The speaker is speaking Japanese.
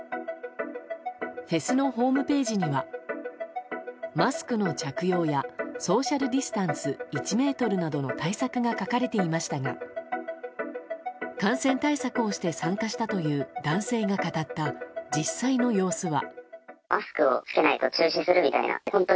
フェスのホームページにはマスクの着用やソーシャルディスタンス１ｍなどの対策が書かれていましたが感染対策をして参加したという男性が語った実際の様子は。